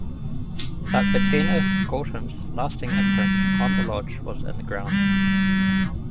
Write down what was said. But Bettina Gorton's lasting imprint on The Lodge was in the grounds.